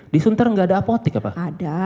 di sunter enggak ada apotek apa ada